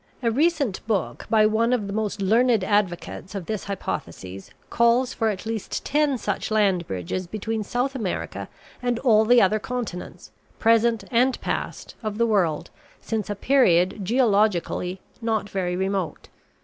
A recent book by one of the most learned advocates of this hypothesis calls for at least ten such land bridges between South America and all the other continents, present and past, of the world since a period geologically not very remote.